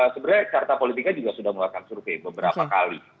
sebenarnya carta politika juga sudah melakukan survei beberapa kali